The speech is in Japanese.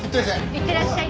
いってらっしゃい。